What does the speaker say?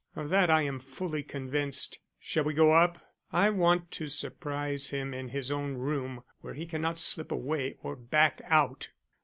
Of that I am fully convinced. Shall we go up? I want to surprise him in his own room where he cannot slip away or back out."